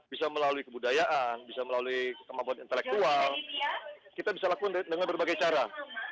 bisa melalui kebudayaan bisa melalui kemampuan intelektual kita bisa lakukan dengan berbagai cara